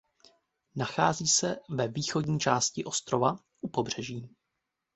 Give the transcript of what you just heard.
Nachází se ve východní části ostrova u pobřeží.